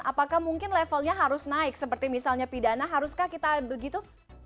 apakah mungkin levelnya harus naik seperti misalnya pidana haruskah kita begitu